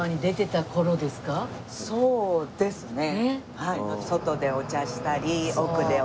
そうですよね。